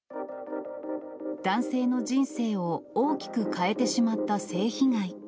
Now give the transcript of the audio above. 男性の人生を大きく変えてしまった性被害。